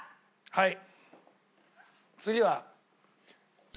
はい。